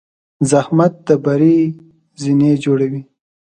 زحمت د بری زینې جوړوي.